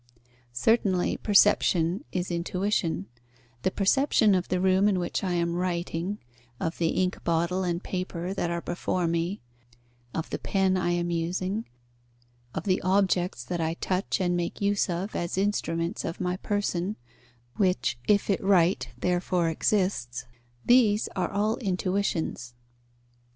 Certainly perception is intuition: the perception of the room in which I am writing, of the ink bottle and paper that are before me, of the pen I am using, of the objects that I touch and make use of as instruments of my person, which, if it write, therefore exists; these are all intuitions.